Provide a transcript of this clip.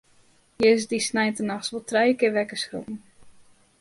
Hja is dy sneintenachts wol trije kear wekker skrokken.